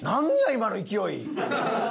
今の勢い。